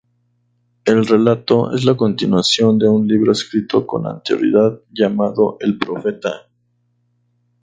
El relato es la continuación de un libro escrito con anterioridad llamado El profeta.